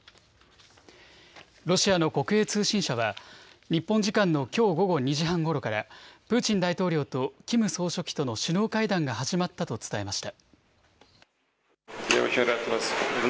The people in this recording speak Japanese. ロシアの国営通信社は日本時間のきょう午後２時半ごろからプーチン大統領とキム総書記との首脳会談が始まったと伝えました。